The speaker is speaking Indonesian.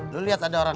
lu liat ada orang